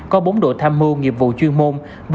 có bốn đội tham mưu nghiệp vụ chuyên môn